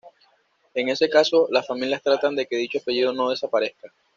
En ese caso las familias tratan de que dicho apellido no desaparezca.